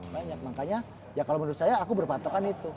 banyak makanya ya kalau menurut saya aku berpatokan itu